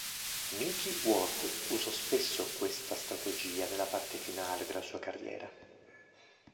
Micky Ward usò spesso questa strategia nella parte finale della sua carriera.